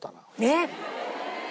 えっ！？